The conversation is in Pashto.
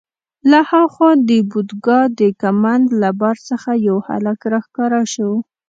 له ها خوا د پودګا د کمند له بار څخه یو هلک راښکاره شو.